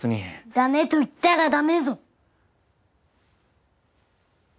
駄目と言ったら駄目ぞ。